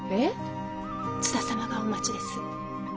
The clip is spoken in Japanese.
津田様がお待ちです。